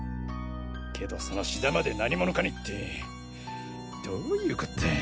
けどその志田まで何者かにってどういうこった。